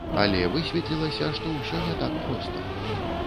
Але высветлілася, што ўсё не так проста.